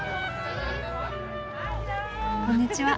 こんにちは。